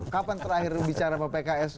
kapan terakhir bicara sama pks